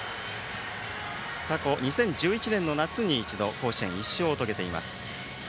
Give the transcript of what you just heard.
過去、２０１１年の夏に一度、甲子園１勝を遂げています。